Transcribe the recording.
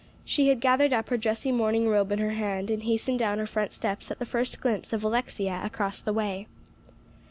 She had gathered up her dressy morning robe in her hand, and hastened down her front steps at the first glimpse of Alexia across the way.